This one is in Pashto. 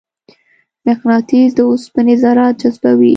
مقناطیس د اوسپنې ذرات جذبوي.